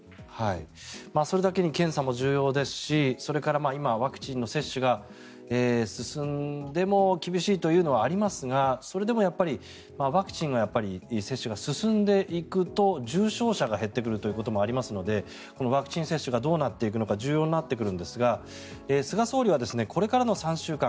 それだけに検査も重要ですしそれから、今ワクチンの接種が進んでも厳しいというのはありますがそれでもワクチンの接種が進んでいくと重症者が減ってくるということもありますのでこのワクチン接種がどうなっていくのかが重要になってくるんですが菅総理はこれからの３週間